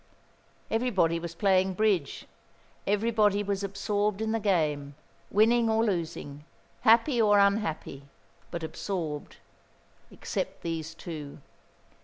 Everybody was playing bridge, everybody was absorbed in the game, winning or losing, happy or unhappy, but absorbed except these two.